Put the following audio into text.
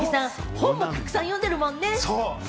本もたくさん読んでるもんね。